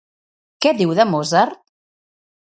Què diu de Mozart?